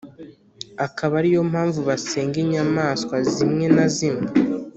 akaba ari yo mpamvu basenga inyamaswa zimwe na zimwe